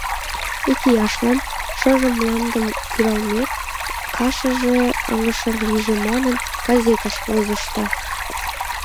«Икияшлан шыжым мландым кӱралмек, кашыже аҥышыр лийже манын, газетыш возышда.